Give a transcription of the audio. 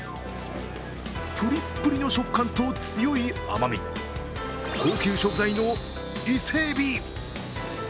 プリップリの食感と強い甘み、高級食材の伊勢えび。